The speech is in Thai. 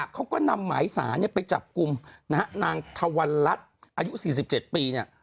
เขาก็นำหมายสารไปจับกลุ่มนะฮะนางทวันรัฐอายุ๔๗ปีเนี่ย